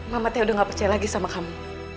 mama t udah gak percaya lagi sama kamu